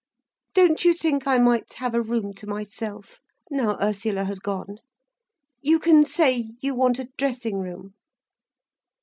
Don't you think I might have a room to myself, now Ursula has gone? You can say you want a dressing room."